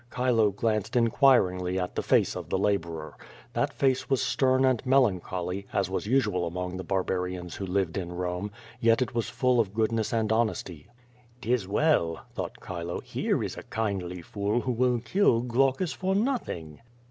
Chilo glanced inquiringly at the face of the laborer. That face was stem and melancholy, as was usual among the bar barians who lived in Borne, yet it was full of goodness and honesty. 138 Q^O VADIS. " 'Tis well/' thought Chilo. "Here is a kindly fool who will kill Glaucus for nothing."